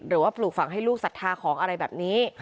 หรือว่าปลูกฝังให้ลูกสัทธาของอะไรแบบนี้